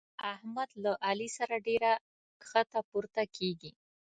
احمد له علي سره ډېره کښته پورته کېږي.